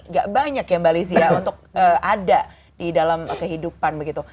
gak banyak ya mba lizia untuk ada di dalam kehidupan begitu